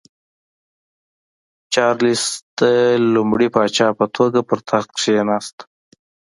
چارلېس د لومړي پاچا په توګه پر تخت کېناست.